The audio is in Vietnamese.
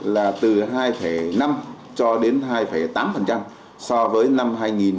là từ hai năm cho đến hai tám so với năm hai nghìn một mươi sáu